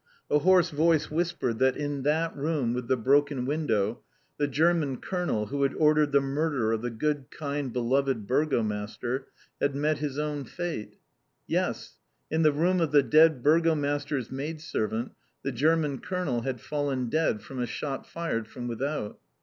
A hoarse voice whispered that in that room with the broken window, the German Colonel who had ordered the murder of the good, kind, beloved Burgomaster, had met his own fate. Yes! In the room of the dead Burgomaster's maidservant, the German colonel had fallen dead from a shot fired from without.